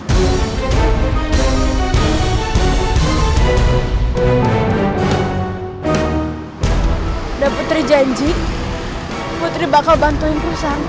udah putri janji putri bakal bantuin perusahaan papa